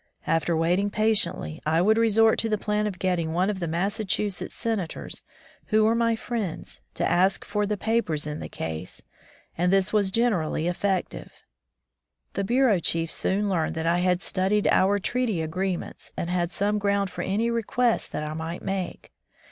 After waiting patiently, I would resort to the plan of getting one of the Massachusetts Senators, who were my friends, to ask for the papers in the case, and this was generally eflFective. The Bureau chiefs soon learned that I had studied our treaty agreements and had some ground for any request that I might make.